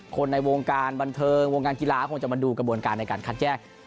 คนในวงการบันเทิงวงการกีฬาคงจะมาดูกระบวนการในการคัดแจ้ง